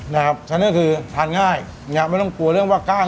นะครับฉะนั้นก็คือทานง่ายไม่ต้องกลัวเรื่องว่ากล้าง